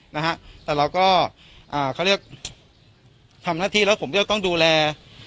นะฮะแต่เราก็อ่าเขาเรียกทำหน้าที่แล้วผมจะต้องดูแล